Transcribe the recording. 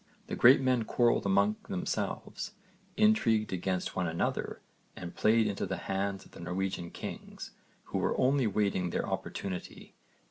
The great men quarrelled among themselves, intrigued against one another and played into the hands of the Norwegian kings who were only waiting their opportunity.